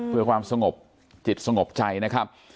เพื่อความสงบจิตสงบใจนะครับ